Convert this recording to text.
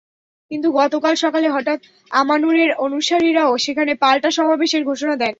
কিন্তু গতকাল সকালে হঠাৎ আমানুরের অনুসারীরাও সেখানে পাল্টা সমাবেশের ঘোষণা দেন।